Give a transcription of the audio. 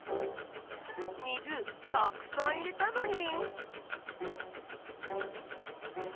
水たくさん入れたのに。